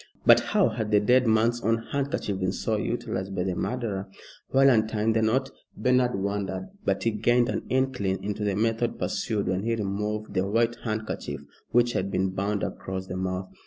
But how had the dead man's own handkerchief been so utilised by the murderer? While untying the knot, Bernard wondered; but he gained an inkling into the method pursued when he removed the white handkerchief which had been bound across the mouth.